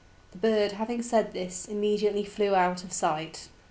The bird, having said this, immediately flew out of sight.